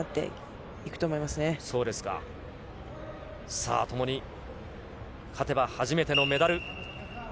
さあ、ともに勝てば初めてのメダル。